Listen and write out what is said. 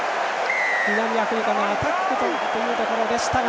南アフリカのアタックというところでしたが。